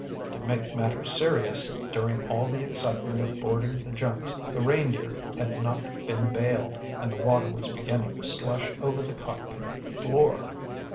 To make matters serious, during all the excitement of boarding the junks the Reindeer had not been bailed, and the water was beginning to slush over the cockpit floor.